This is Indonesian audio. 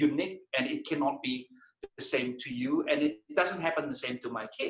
itu unik dan tidak bisa sama seperti anda dan tidak akan terjadi sama seperti anak saya